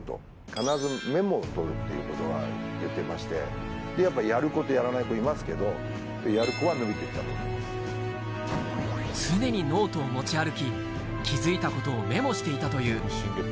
必ずメモを取るっていうことは言っていまして、やっぱりやる子とやらない子いますけど、やる子は伸びていったと常にノートを持ち歩き、気付いたことをメモしていたという。